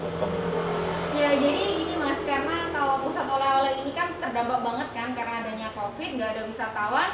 ya jadi ini mas karena kalau pusat oleh oleh ini kan terdampak banget kan karena adanya covid nggak ada wisatawan